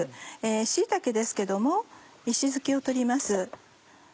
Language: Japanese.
椎茸ですけども石突きを取ります。